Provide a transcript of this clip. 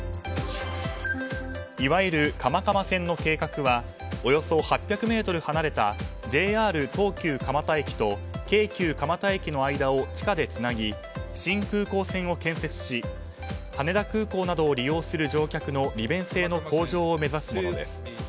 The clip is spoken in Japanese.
いわゆる蒲蒲線の計画はおよそ８００ｍ離れたＪＲ東急蒲田駅と京急蒲田駅の間を地下でつなぎ新空港線を建設し羽田空港などを利用する乗客の利便性の向上を目指すものです。